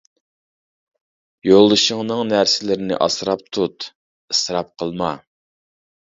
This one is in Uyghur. يولدىشىڭنىڭ نەرسىلىرىنى ئاسراپ تۇت، ئىسراپ قىلما.